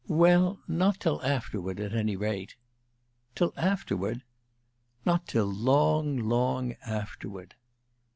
"Well not till afterward, at any rate." "Till afterward?" "Not till long, long afterward."